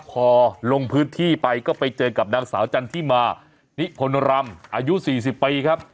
พอลงพื้นที่ไปก็ไปเจอกับนางสาวจันทิมานิพลรำอายุ๔๐ปีครับ